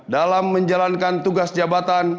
dalam menjalankan tugas jabatan